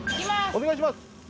お願いします！